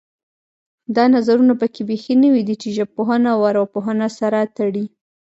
دا نظرونه پکې بیخي نوي دي چې ژبپوهنه او ارواپوهنه سره تړي